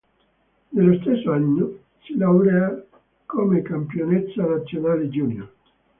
Nello stesso anno, si laurea come campionessa nazionale junior.